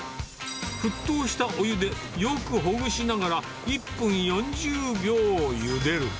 沸騰したお湯でよくほぐしながら１分４０秒ゆでる。